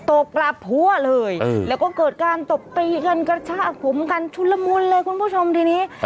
บกลับหัวเลยแล้วก็เกิดการตบตีกันกระชากผมกันชุนละมุนเลยคุณผู้ชมทีนี้